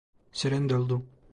Süren doldu.